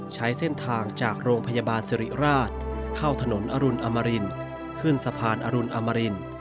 ใช้เส้นทางจากโรงพยาบาลสิริราชเข้าถนนอรุณอมรินขึ้นสะพานอรุณอมริน